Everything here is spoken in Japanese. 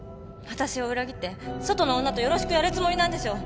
私を裏切って外の女とよろしくやるつもりなんでしょ？